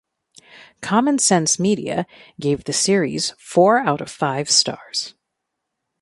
Common Sense Media gave the series four out of five stars.